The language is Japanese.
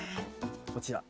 こちら。